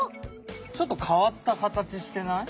ちょっと変わった形してない？